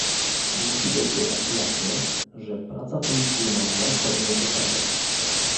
Musi być jednak jasne, że praca policyjna ma pewne zasady